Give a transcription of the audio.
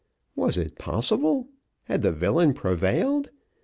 "Was it possible? Had the villain prevailed?"